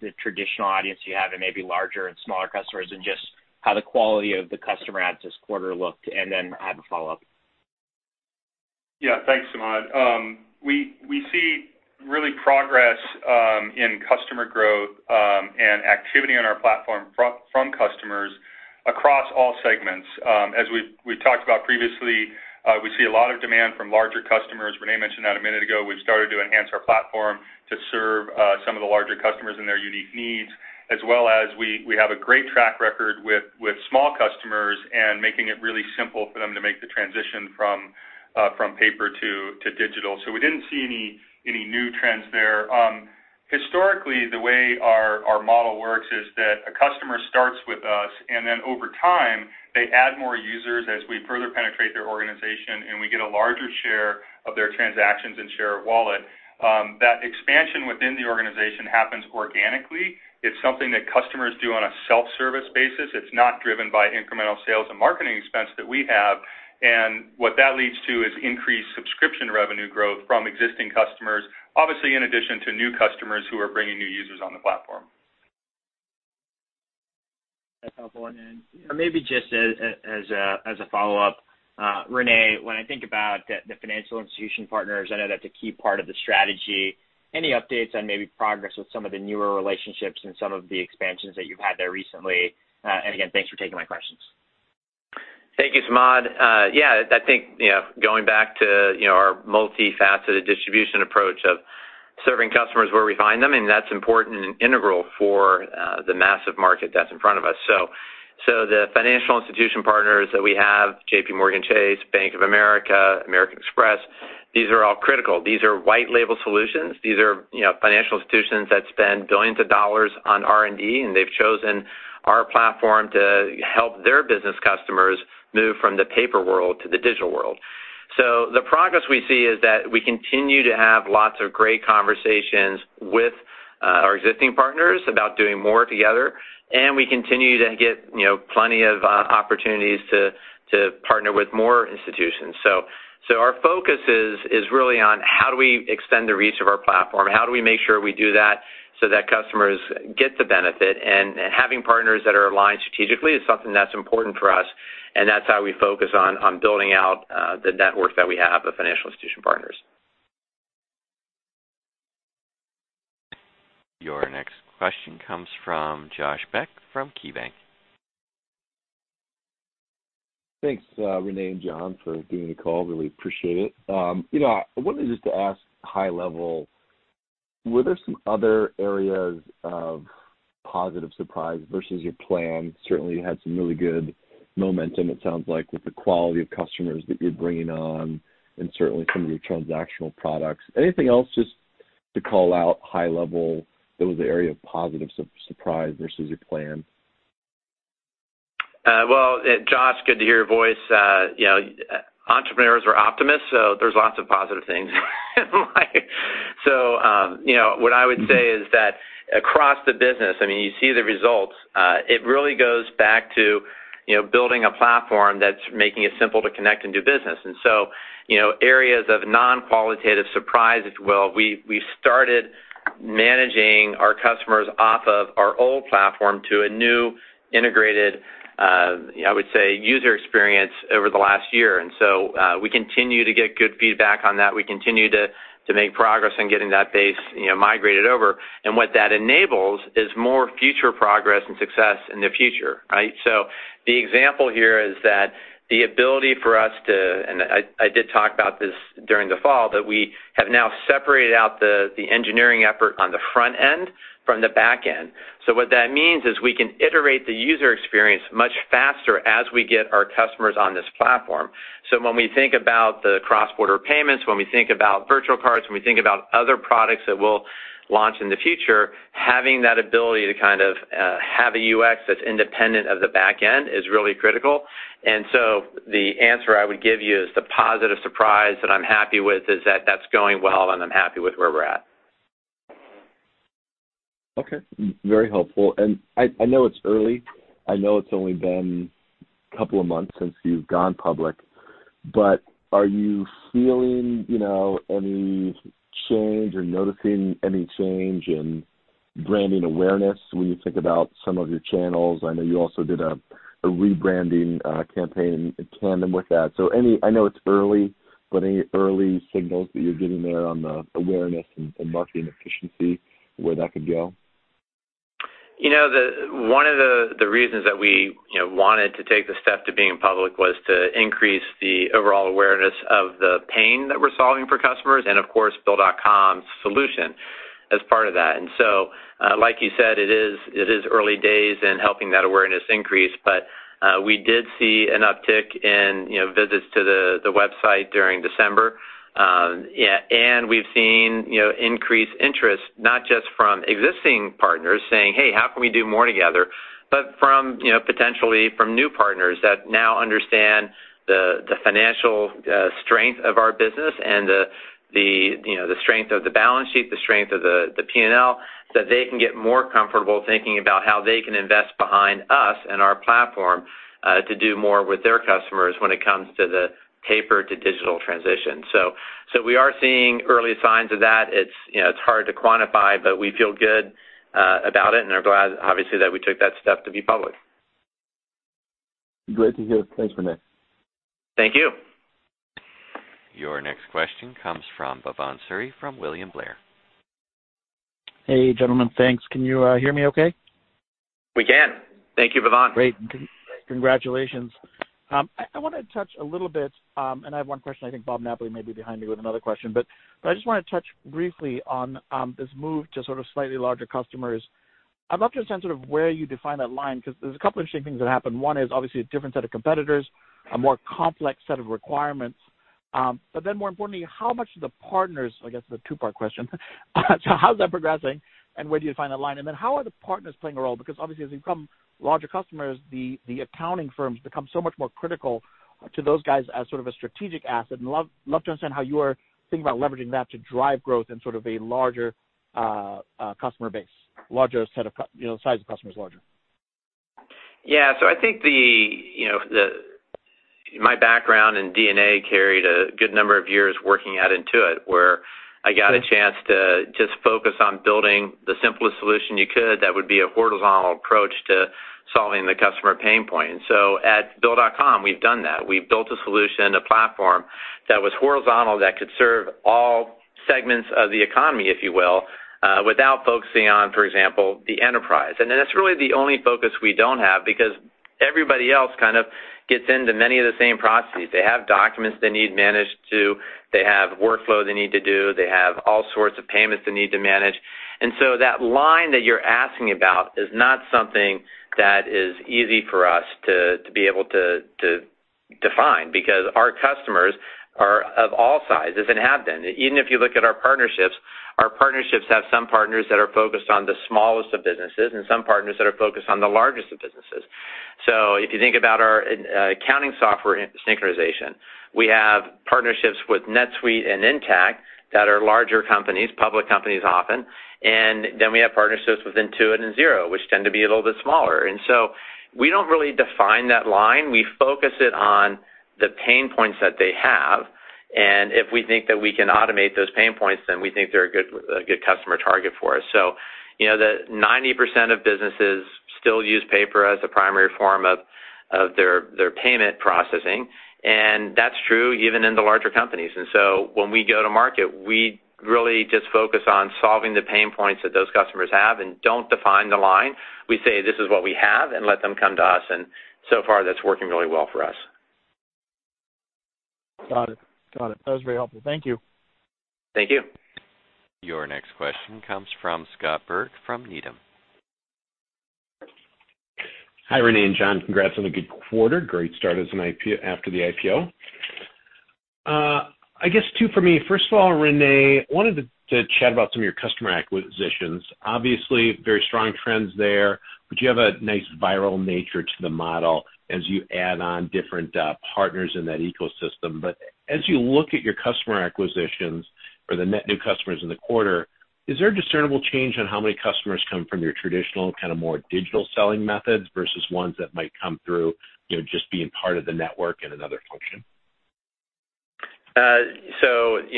the traditional audience you have and maybe larger and smaller customers, and just how the quality of the customer adds this quarter looked. I have a follow-up. Yeah. Thanks, Samad. We see really progress in customer growth and activity on our platform from customers across all segments. As we've talked about previously, we see a lot of demand from larger customers. René mentioned that a minute ago. We've started to enhance our platform to serve some of the larger customers and their unique needs, as well as we have a great track record with small customers and making it really simple for them to make the transition from paper to digital. We didn't see any new trends there. Historically, the way our model works is that a customer starts with us, and then over time, they add more users as we further penetrate their organization, and we get a larger share of their transactions and share of wallet. That expansion within the organization happens organically. It's something that customers do on a self-service basis. It's not driven by incremental sales and marketing expense that we have. What that leads to is increased subscription revenue growth from existing customers, obviously in addition to new customers who are bringing new users on the platform. That's helpful. Maybe just as a follow-up, René, when I think about the financial institution partners, I know that's a key part of the strategy. Any updates on maybe progress with some of the newer relationships and some of the expansions that you've had there recently? Again, thanks for taking my questions. Thank you, Samad. I think going back to our multifaceted distribution approach of serving customers where we find them, and that's important and integral for the massive market that's in front of us. The financial institution partners that we have, JPMorgan Chase, Bank of America, American Express, these are all critical. These are white label solutions. These are financial institutions that spend billions of dollars on R&D, and they've chosen our platform to help their business customers move from the paper world to the digital world. The progress we see is that we continue to have lots of great conversations with our existing partners about doing more together, and we continue to get plenty of opportunities to partner with more institutions. Our focus is really on how do we extend the reach of our platform. How do we make sure we do that so that customers get the benefit? Having partners that are aligned strategically is something that's important for us, and that's how we focus on building out the network that we have of financial institution partners. Your next question comes from Josh Beck from KeyBanc. Thanks, René and John, for giving me a call. Really appreciate it. I wanted just to ask high level, were there some other areas of positive surprise versus your plan? Certainly had some really good momentum, it sounds like, with the quality of customers that you're bringing on and certainly some of your transactional products. Anything else just to call out high level that was an area of positive surprise versus your plan? Well, Josh, good to hear your voice. Entrepreneurs are optimists, there's lots of positive things in life. What I would say is that across the business, you see the results. It really goes back to building a platform that's making it simple to connect and do business. Areas of non-qualitative surprise, if you will. We started managing our customers off of our old platform to a new integrated, I would say, user experience over the last year. We continue to get good feedback on that. We continue to make progress on getting that base migrated over. What that enables is more future progress and success in the future, right? The example here is that the ability for us to, and I did talk about this during the fall, that we have now separated out the engineering effort on the front end from the back end. What that means is we can iterate the user experience much faster as we get our customers on this platform. When we think about the cross-border payments, when we think about virtual cards, when we think about other products that we'll launch in the future, having that ability to have a UX that's independent of the back end is really critical. The answer I would give you is the positive surprise that I'm happy with is that that's going well, and I'm happy with where we're at. Okay. Very helpful. I know it's early. I know it's only been a couple of months since you've gone public. Are you feeling any change or noticing any change in branding awareness when you think about some of your channels? I know you also did a rebranding campaign in tandem with that. I know it's early, but any early signals that you're getting there on the awareness and marketing efficiency, where that could go? One of the reasons that we wanted to take the step to being public was to increase the overall awareness of the pain that we're solving for customers and, of course, BILL.com's solution as part of that. Like you said, it is early days in helping that awareness increase, but we did see an uptick in visits to the website during December. We've seen increased interest, not just from existing partners saying, "Hey, how can we do more together?" Potentially from new partners that now understand the financial strength of our business and the strength of the balance sheet, the strength of the P&L, so they can get more comfortable thinking about how they can invest behind us and our platform to do more with their customers when it comes to the paper to digital transition. We are seeing early signs of that. It's hard to quantify, but we feel good about it and are glad, obviously, that we took that step to be public. Great to hear. Thanks, René. Thank you. Your next question comes from Bhavan Suri from William Blair. Hey, gentlemen. Thanks. Can you hear me okay? We can. Thank you, Bhavan. Great. Congratulations. I want to touch a little bit, and I have one question, I think Bob Napoli may be behind me with another question, but I just want to touch briefly on this move to sort of slightly larger customers. I'd love to understand where you define that line, because there's a couple interesting things that happen. One is obviously a different set of competitors, a more complex set of requirements. More importantly, how much do the partners-- I guess it's a two-part question. How's that progressing, and where do you find that line? How are the partners playing a role? Because obviously, as you become larger customers, the accounting firms become so much more critical to those guys as sort of a strategic asset. Love to understand how you are thinking about leveraging that to drive growth in sort of a larger customer base, the size of customers larger. I think my background and DNA carried a good number of years working at Intuit, where I got a chance to just focus on building the simplest solution you could that would be a horizontal approach to solving the customer pain point. At BILL.com, we've done that. We've built a solution, a platform, that was horizontal that could serve all segments of the economy, if you will, without focusing on, for example, the enterprise. That's really the only focus we don't have, because everybody else kind of gets into many of the same processes. They have documents they need managed to, they have workflow they need to do, they have all sorts of payments they need to manage. That line that you're asking about is not something that is easy for us to be able to define, because our customers are of all sizes and have been. Even if you look at our partnerships, our partnerships have some partners that are focused on the smallest of businesses and some partners that are focused on the largest of businesses. If you think about our accounting software synchronization, we have partnerships with NetSuite and Intacct that are larger companies, public companies often. We have partnerships with Intuit and Xero, which tend to be a little bit smaller. We don't really define that line. We focus it on the pain points that they have, and if we think that we can automate those pain points, then we think they're a good customer target for us. 90% of businesses still use paper as a primary form of their payment processing, and that's true even in the larger companies. When we go to market, we really just focus on solving the pain points that those customers have and don't define the line. We say, "This is what we have," and let them come to us. So far, that's working really well for us. Got it. That was very helpful. Thank you. Thank you. Your next question comes from Scott Berg from Needham. Hi, René and John. Congrats on a good quarter. Great start after the IPO. I guess two for me. First of all, René, wanted to chat about some of your customer acquisitions. Obviously, very strong trends there, you have a nice viral nature to the model as you add on different partners in that ecosystem. As you look at your customer acquisitions or the net new customers in the quarter, is there a discernible change on how many customers come from your traditional, kind of more digital selling methods versus ones that might come through just being part of the network in another function?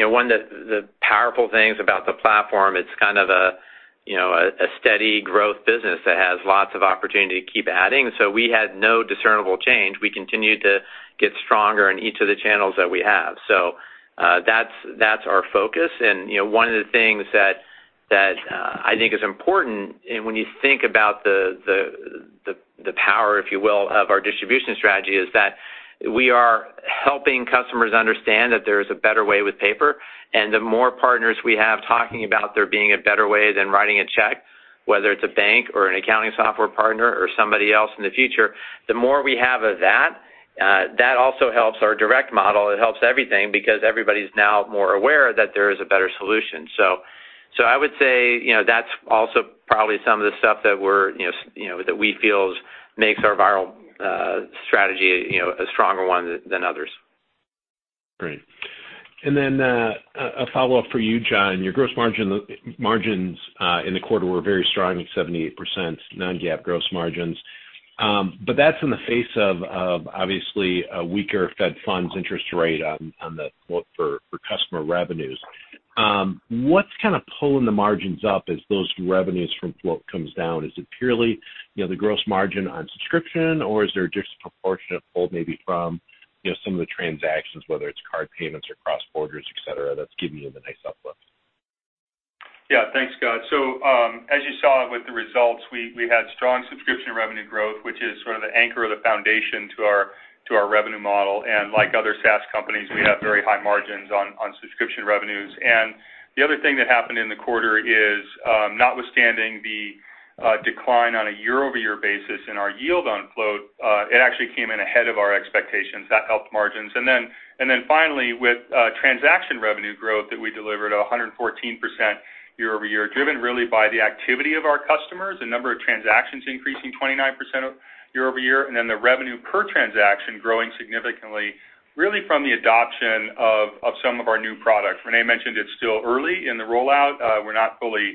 One of the powerful things about the platform, it's kind of a steady growth business that has lots of opportunity to keep adding. We had no discernible change. We continued to get stronger in each of the channels that we have. That's our focus. One of the things that I think is important, and when you think about the power, if you will, of our distribution strategy, is that we are helping customers understand that there is a better way with paper. The more partners we have talking about there being a better way than writing a check, whether it's a bank or an accounting software partner or somebody else in the future, the more we have of that also helps our direct model. It helps everything because everybody's now more aware that there is a better solution. I would say, that's also probably some of the stuff that we feel makes our viral strategy a stronger one than others. Great. A follow-up for you, John. Your gross margins in the quarter were very strong at 78%, non-GAAP gross margins. That's in the face of obviously a weaker Fed funds interest rate on the float for customer revenues. What's kind of pulling the margins up as those revenues from float comes down? Is it purely the gross margin on subscription, or is there a disproportionate pull maybe from some of the transactions, whether it's card payments or cross-borders, et cetera, that's giving you the nice uplift? Thanks, Scott. As you saw with the results, we had strong subscription revenue growth, which is sort of the anchor or the foundation to our revenue model. Like other SaaS companies, we have very high margins on subscription revenues. The other thing that happened in the quarter is, notwithstanding the decline on a year-over-year basis in our yield on float, it actually came in ahead of our expectations. That helped margins. Finally, with transaction revenue growth that we delivered 114% year-over-year, driven really by the activity of our customers, the number of transactions increasing 29% year-over-year, the revenue per transaction growing significantly, really from the adoption of some of our new products. René mentioned it's still early in the rollout. We're not fully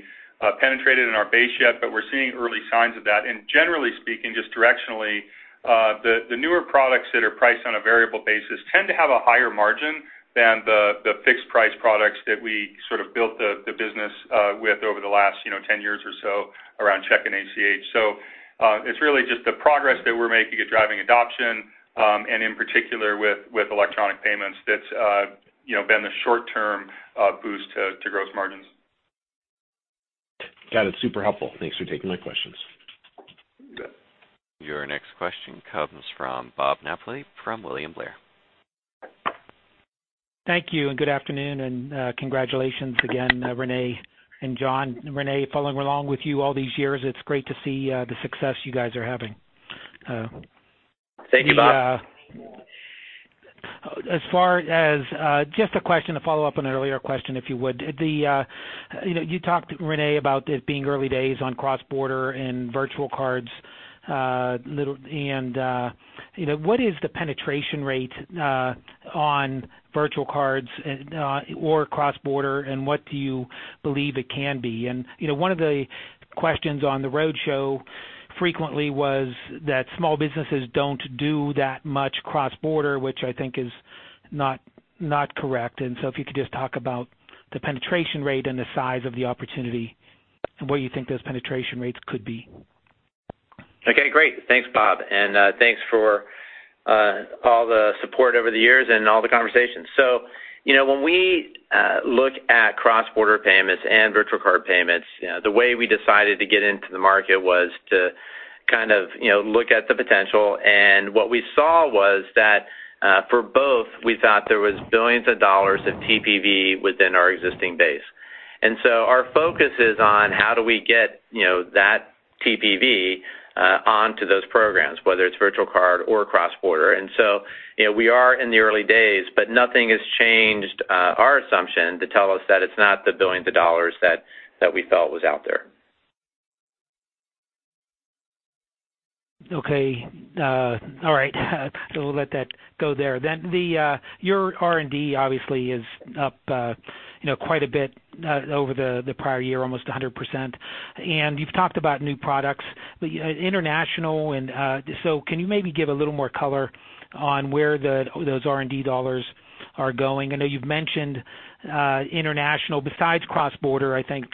penetrated in our base yet, but we're seeing early signs of that. Generally speaking, just directionally, the newer products that are priced on a variable basis tend to have a higher margin than the fixed price products that we sort of built the business with over the last 10 years or so. Around check and ACH. It's really just the progress that we're making at driving adoption, and in particular with electronic payments, that's been the short-term boost to gross margins. Got it. Super helpful. Thanks for taking my questions. Good. Your next question comes from Bob Napoli from William Blair. Thank you, good afternoon, and congratulations again, René and John. René, following along with you all these years, it's great to see the success you guys are having. Thank you, Bob. As far as just a question to follow up on an earlier question, if you would. You talked, René, about it being early days on cross-border and virtual cards. What is the penetration rate on virtual cards or cross-border, and what do you believe it can be? One of the questions on the roadshow frequently was that small businesses don't do that much cross-border, which I think is not correct. If you could just talk about the penetration rate and the size of the opportunity, and where you think those penetration rates could be. Okay, great. Thanks, Bob, and thanks for all the support over the years and all the conversations. When we look at cross-border payments and virtual card payments, the way we decided to get into the market was to look at the potential. What we saw was that for both, we thought there was billions of dollars of TPV within our existing base. Our focus is on how do we get that TPV onto those programs, whether it's virtual card or cross-border. We are in the early days, but nothing has changed our assumption to tell us that it's not the billions of dollars that we felt was out there. Okay. All right. We'll let that go there. Your R&D obviously is up quite a bit over the prior year, almost 100%. You've talked about new products, can you maybe give a little more color on where those R&D dollars are going? I know you've mentioned international, besides cross-border, I think,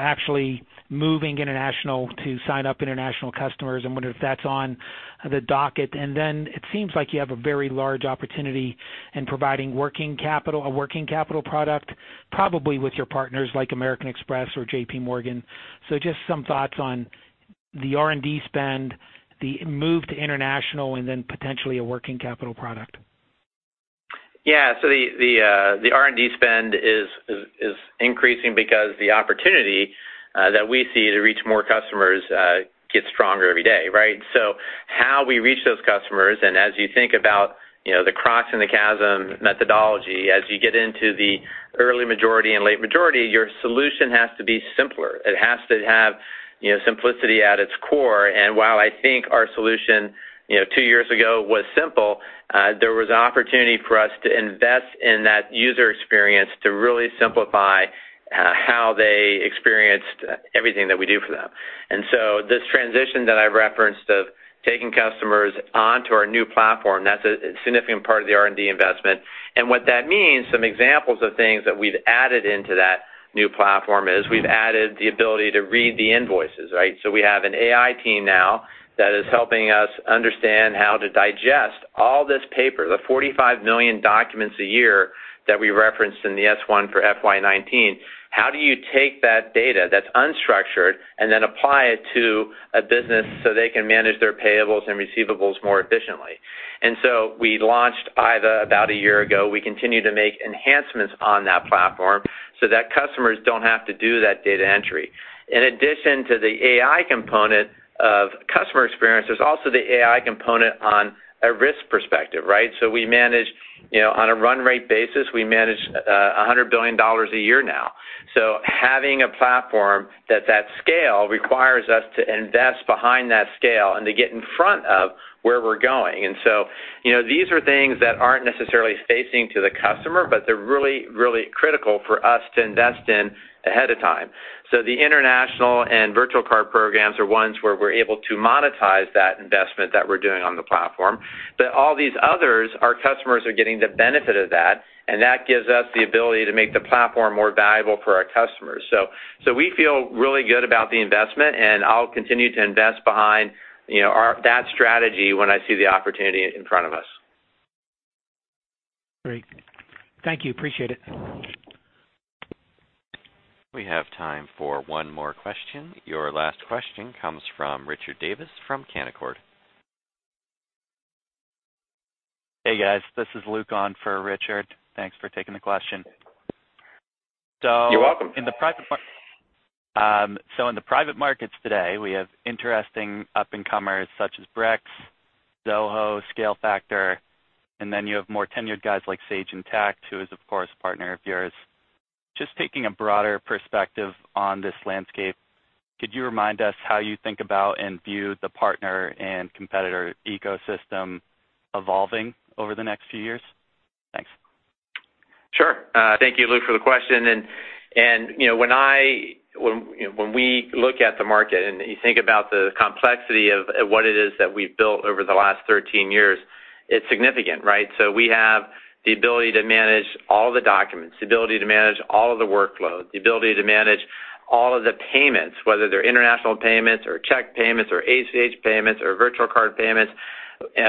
actually moving international to sign up international customers. I wonder if that's on the docket. It seems like you have a very large opportunity in providing a working capital product, probably with your partners like American Express or JPMorgan. Just some thoughts on the R&D spend, the move to international, and then potentially a working capital product. Yeah. The R&D spend is increasing because the opportunity that we see to reach more customers gets stronger every day, right? How we reach those customers, and as you think about the crossing the chasm methodology, as you get into the early majority and late majority, your solution has to be simpler. It has to have simplicity at its core. While I think our solution two years ago was simple, there was an opportunity for us to invest in that user experience to really simplify how they experienced everything that we do for them. This transition that I referenced of taking customers onto our new platform, that's a significant part of the R&D investment. What that means, some examples of things that we've added into that new platform is we've added the ability to read the invoices, right? We have an AI team now that is helping us understand how to digest all this paper, the 45 million documents a year that we referenced in the S1 for FY 2019. How do you take that data that's unstructured and then apply it to a business so they can manage their payables and receivables more efficiently? We launched IVA about a year ago. We continue to make enhancements on that platform so that customers don't have to do that data entry. In addition to the AI component of customer experience, there's also the AI component on a risk perspective, right? We manage on a run rate basis, we manage $100 billion a year now. Having a platform at that scale requires us to invest behind that scale and to get in front of where we're going. These are things that aren't necessarily facing to the customer, but they're really, really critical for us to invest in ahead of time. The international and virtual card programs are ones where we're able to monetize that investment that we're doing on the platform. All these others, our customers are getting the benefit of that, and that gives us the ability to make the platform more valuable for our customers. We feel really good about the investment, and I'll continue to invest behind that strategy when I see the opportunity in front of us. Great. Thank you. Appreciate it. We have time for one more question. Your last question comes from Richard Davis from Canaccord. Hey, guys. This is Luke on for Richard. Thanks for taking the question. You're welcome. In the private markets today, we have interesting up-and-comers such as Brex, Zoho, ScaleFactor, and then you have more tenured guys like Sage Intacct, who is, of course, a partner of yours. Just taking a broader perspective on this landscape, could you remind us how you think about and view the partner and competitor ecosystem evolving over the next few years? Thanks. Sure. Thank you, Luke, for the question. When we look at the market and you think about the complexity of what it is that we've built over the last 13 years, it's significant, right? We have the ability to manage all the documents, the ability to manage all of the workloads, the ability to manage all of the payments, whether they're international payments or check payments or ACH payments or virtual card payments.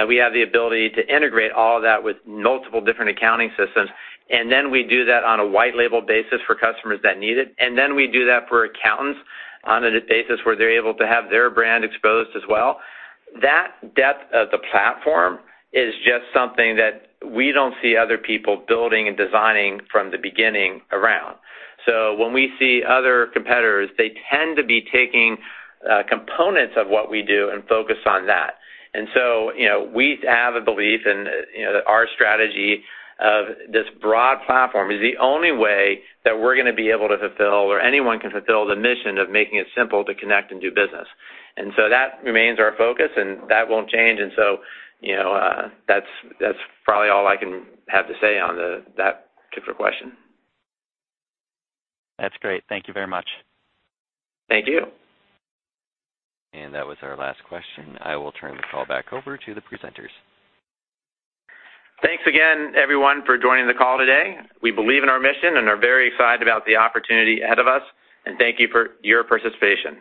We have the ability to integrate all of that with multiple different accounting systems. Then we do that on a white label basis for customers that need it. Then we do that for accountants on a basis where they're able to have their brand exposed as well. That depth of the platform is just something that we don't see other people building and designing from the beginning around. When we see other competitors, they tend to be taking components of what we do and focus on that. We have a belief in our strategy of this broad platform is the only way that we're going to be able to fulfill or anyone can fulfill the mission of making it simple to connect and do business. That remains our focus, and that won't change. That's probably all I can have to say on that particular question. That's great. Thank you very much. Thank you. That was our last question. I will turn the call back over to the presenters. Thanks again, everyone, for joining the call today. We believe in our mission and are very excited about the opportunity ahead of us. Thank you for your participation.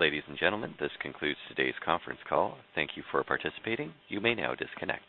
Ladies and gentlemen, this concludes today's conference call. Thank you for participating. You may now disconnect.